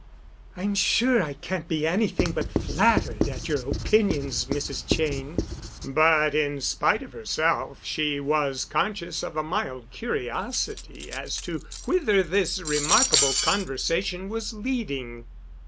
"I'm sure I can't be anything but flattered at your opinions, Mrs. Cheyne." But, in spite of herself, she was conscious of a mild curiosity as to whither this remarkable conversation was leading.